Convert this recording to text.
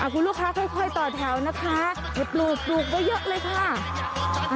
คุณลูกค้าค่อยต่อแถวนะคะอย่าปลูกปลูกไว้เยอะเลยค่ะ